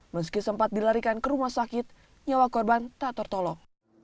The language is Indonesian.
meski sempat dilarikan ke rumah sakit nyawa korban tak tertolong